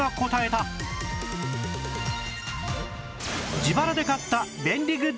自腹で買った便利グッズ